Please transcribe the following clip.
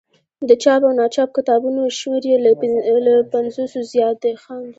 د چاپ او ناچاپ کتابونو شمېر یې له پنځوسو زیات دی.